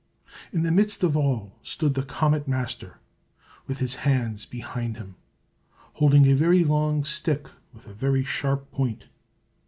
In the midst of all stood the Comet Master, with his hands behind him, holding a very long stick with a very sharp point.